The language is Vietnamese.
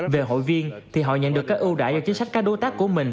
về hội viên thì họ nhận được các ưu đại cho chính sách các đối tác của mình